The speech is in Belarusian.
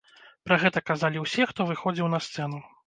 Пра гэта казалі ўсе, хто выходзіў на сцэну.